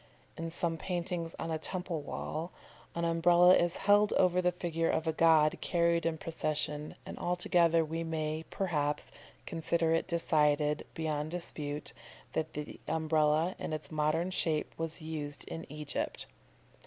In some paintings on a temple wall, an Umbrella is held over the figure of a god carried in procession, and altogether we may, perhaps, consider it decided, beyond dispute, that the Umbrella in its modern shape was used in Egypt.